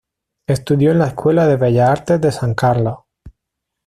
Estudió en la Escuela de Bellas Artes de San Carlos.